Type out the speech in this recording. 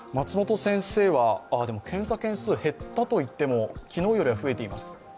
検査件数が減ったといっても昨日より増えています。